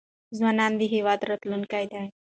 ځوانان د هیواد راتلونکی دی.